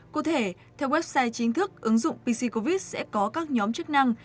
cụ thể theo website chính thức ứng dụng pc covid sẽ có các nhóm chức năng